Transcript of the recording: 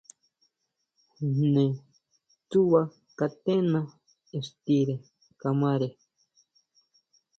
Jne tsúʼba katena ixtire kamare.